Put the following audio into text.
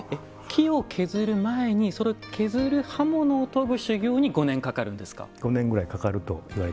木を削る前に削る刃物を研ぐ修業に５年かかるんですか。